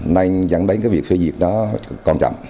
nên dẫn đến việc phê diệt đó còn chậm